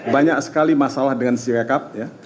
banyak sekali masalah dengan sirekap